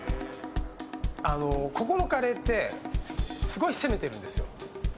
ここのカレーってすごい攻めてるんですよ。